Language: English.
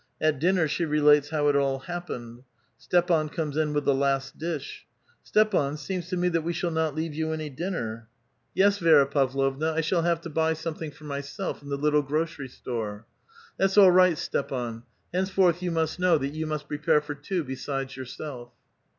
At dinner she relates how it all happened. Stepan comes in with the last dish. " Stepan, seems to me that we shall not leave you any dinner." 844 A VITAL QUESTION. "Yes, Vi^ra Pavlovna; I shall have to buy something for myself in the little grocery store." That's all right, Stepan ; henceforth you must know that you must prepare for two besides yourself."